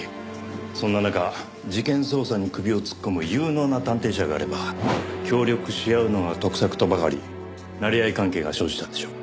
そんな中事件捜査に首を突っ込む有能な探偵社があれば協力し合うのが得策とばかりなれ合い関係が生じたんでしょう。